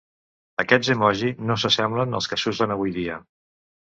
Aquests emoji no s’assemblen als que s’usen avui dia.